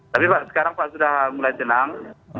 tapi pak sekarang pak sudah mulai tenang